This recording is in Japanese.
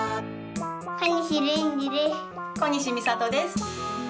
はい！